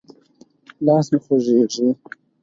لاس مې خوږېږي.